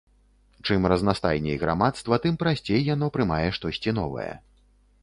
Чым разнастайней грамадства, тым прасцей яно прымае штосьці новае.